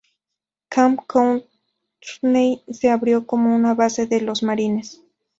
Camp Courtney se abrió como una base de los Marines.